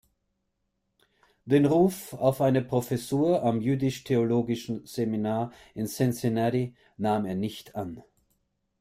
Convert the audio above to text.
Den Ruf auf eine Professur am Jüdisch-Theologischen Seminar in Cincinnati nahm er nicht an.